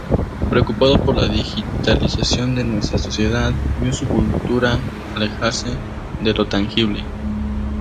Preocupado por la digitalización de nuestra sociedad, vio su cultura alejarse de lo tangible.